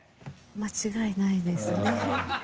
間違いないですね。